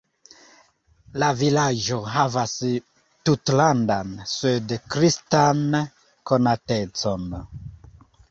La vilaĝo havas tutlandan, sed tristan konatecon.